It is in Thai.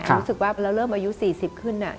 รู้สึกว่าเราเริ่มอายุ๔๐ขึ้น